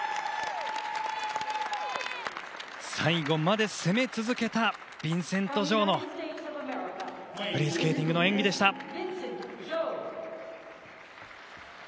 最後まで攻め続けたビンセント・ジョウのフリースケーティングの演技でした。